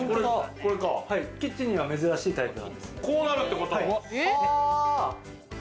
キッチンには珍しいタイプなんです。